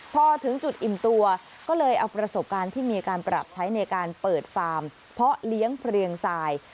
พอถึงจุดอิ่มตัวก็เลยเอาประสบการณ์ที่มีการปรับใช้ในการเปิดฟาร์มเพาะเลี้ยงเพลียงทราย